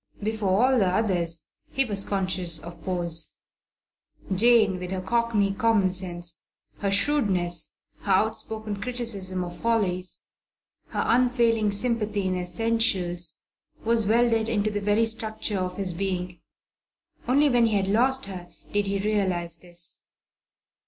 Before all the others he was conscious of pose. Jane, with her cockney common sense, her shrewdness, her outspoken criticism of follies, her unfailing sympathy in essentials, was welded into the very structure of his being. Only when he had lost her did he realize this.